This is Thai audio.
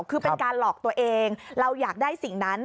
คือเป็นการหลอกตัวเองเราอยากได้สิ่งนั้น